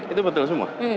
itu betul semua